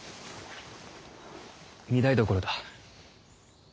御台所だ。